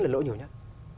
là lỗ nhiều nhất